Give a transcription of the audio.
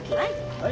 はい。